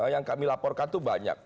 yang kami laporkan itu banyak